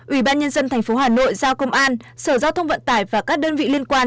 ủy ban nhân dân tp hà nội giao công an sở giao thông vận tải và các đơn vị liên quan